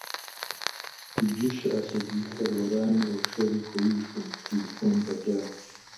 Иджы щыӏэ сабийхэр уэрами уэршэри хуеижкъым, телефон фӏэкӏа.